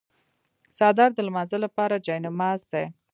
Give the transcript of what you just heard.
څادر د لمانځه لپاره جای نماز دی.